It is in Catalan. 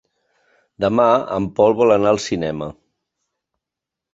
Demà en Pol vol anar al cinema.